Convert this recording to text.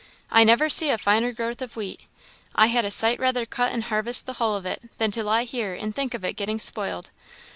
I never see a finer growth of wheat. I had a sight rather cut and harvest the hull of it than to lie here and think of it getting spoiled.